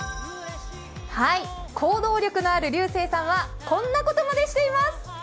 行動力のある龍生さんは、こんなことまでしています。